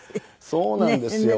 そうなんですよ。